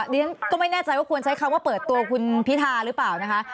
เรียนก็ไม่แน่ใจว่าควรใช้คำว่าเปิดตัวคุณพิธาหรือเปล่านะคะ